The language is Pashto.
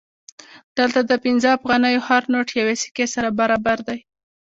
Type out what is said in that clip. دلته د پنځه افغانیو هر نوټ یوې سکې سره برابر دی